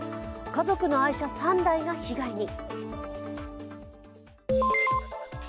家族の愛車３台が被害に。